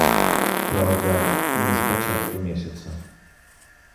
Праўда, не з пачатку месяца.